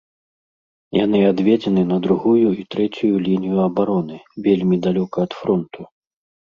Яны адведзены на другую і трэцюю лінію абароны, вельмі далёка ад фронту.